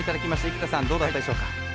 生田さん、どうだったでしょうか。